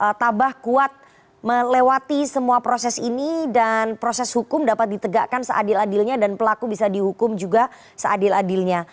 semoga tabah kuat melewati semua proses ini dan proses hukum dapat ditegakkan seadil adilnya dan pelaku bisa dihukum juga seadil adilnya